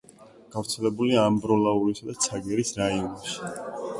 გავრცელებულია ამბროლაურისა და ცაგერის რაიონებში.